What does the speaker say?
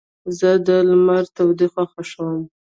زه د لمر تودوخه خوښوم.